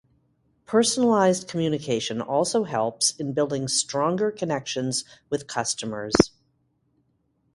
Personalized communication also helps in building stronger connections with customers.